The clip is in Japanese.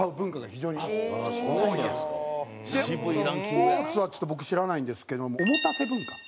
大津はちょっと僕知らないんですけどもおもたせ文化。